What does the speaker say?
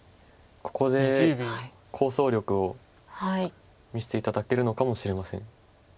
ここで構想力を見せて頂けるのかもしれません。